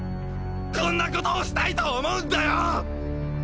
こんなことをしたいと思うんだよ！！